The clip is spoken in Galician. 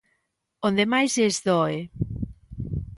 Onde máis lles doe.